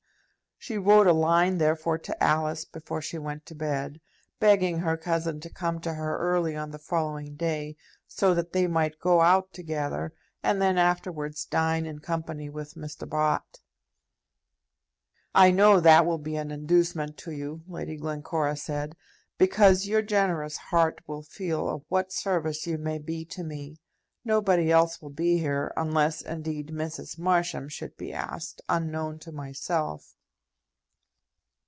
She wrote a line, therefore, to Alice before she went to bed, begging her cousin to come to her early on the following day, so that they might go out together, and then afterwards dine in company with Mr. Bott. "I know that will be an inducement to you," Lady Glencora said, "because your generous heart will feel of what service you may be to me. Nobody else will be here, unless, indeed, Mrs. Marsham should be asked, unknown to myself."